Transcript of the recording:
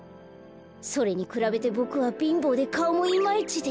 それにくらべてボクはびんぼうでかおもイマイチで。